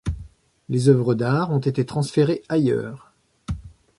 Les œuvres d'art ont été transférées ailleurs.